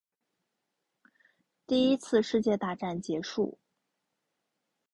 第一次世界大战结束